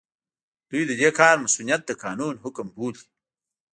دوی د دې کار مصؤنيت د قانون حکم بولي.